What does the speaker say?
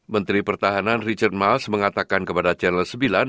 menteri pertahanan richard miles mengatakan kepada jenderal sembilan